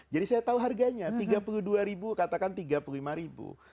jadi saya tahu harganya tiga puluh dua ribu katakan tiga puluh lima ribu